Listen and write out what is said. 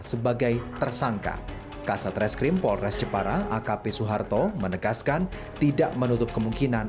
sebagai tersangka kasat reskrim polres jepara akp suharto menegaskan tidak menutup kemungkinan